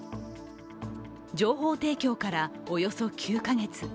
情報提供からおよそ９か月。